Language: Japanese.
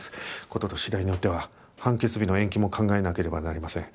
事と次第によっては判決日の延期も考えなければなりません。